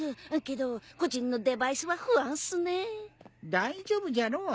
大丈夫じゃろう。